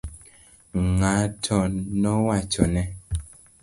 Ng'ato nowachone.